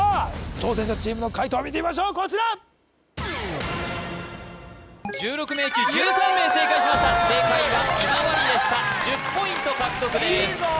挑戦者チームの解答を見てみましょうこちら１６名中１３名正解しました正解は今治でした１０ポイント獲得ですいいぞ！